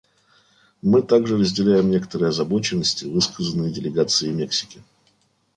Мы также разделяем некоторые озабоченности, высказанные делегацией Мексики.